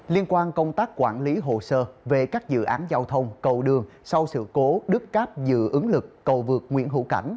liên quan công tác quản lý hồ sơ về các dự án giao thông cầu đường sau sự cố đứt cáp dự ứng lực cầu vượt nguyễn hữu cảnh